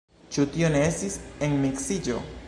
Ĉu tio ne estis enmiksiĝo?